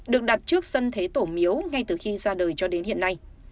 được đặt trước sân thế tổ miếu ngay từ khi ra đời cho đến hiện nay